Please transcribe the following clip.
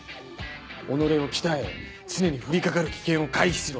己を鍛え常に降りかかる危険を回避しろ！